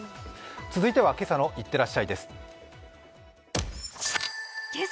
続いては「今朝のいってらっしゃい」です。